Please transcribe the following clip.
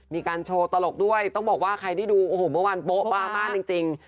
มีการโชว์ตลกด้วยต้องบอกว่าใครได้ดูโอ้โหเมื่อวานโป๊ะป้ามากจริง